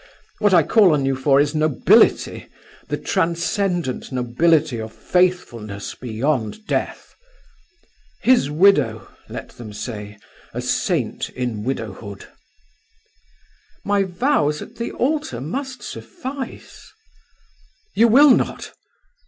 What I call on you for is nobility; the transcendent nobility of faithfulness beyond death. 'His widow!' let them say; a saint in widowhood." "My vows at the altar must suffice." "You will not?